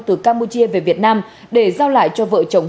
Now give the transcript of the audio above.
từ campuchia về việt nam để giao lại cho vợ chồng